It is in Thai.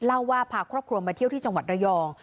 เล่าว่าพาครอบครัวมาเที่ยวที่จังหวัดระยอง